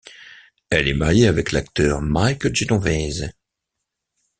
Elle est mariée avec l'acteur Mike Genovese.